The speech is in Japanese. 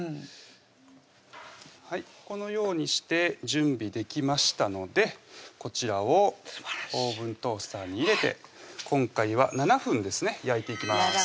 このようにして準備できましたのでこちらをオーブントースターに入れて今回は７分ですね焼いていきます